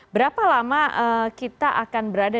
berapa lama kita akan berada